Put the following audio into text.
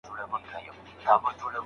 بايد په عمل کي د خلګو حقوق خوندي سي.